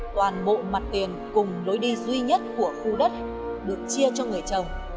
toàn bộ mặt tiền cùng lối đi duy nhất của khu đất được chia cho người trồng